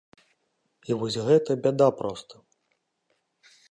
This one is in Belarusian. І вось гэта бяда проста.